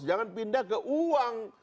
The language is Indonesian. jangan pindah ke uang